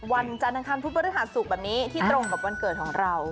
วันจันทร์ค่ะพูดบริษัทสูบแบบนี้ที่ตรงกับวันเกิดของเรา